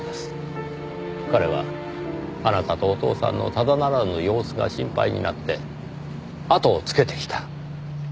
彼はあなたとお父さんのただならぬ様子が心配になってあとをつけてきた。